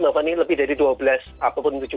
mbak fani lebih dari dua belas apapun